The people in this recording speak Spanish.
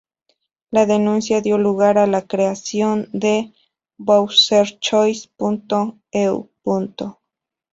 La denuncia dio lugar a la creación de BrowserChoice.eu.